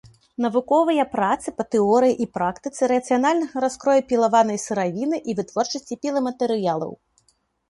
Навуковыя працы па тэорыі і практыцы рацыянальнага раскрою пілаванай сыравіны і вытворчасці піламатэрыялаў.